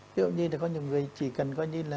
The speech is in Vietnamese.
hiểu như là có nhiều người chỉ cần